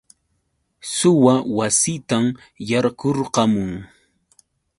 Suwa wasiitan yaykurqamun.